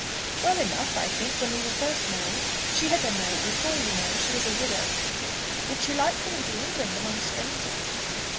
"Well enough, I think, when we were first married. She had been married before, you know. She was a widow." "Did she like coming to England among strangers?"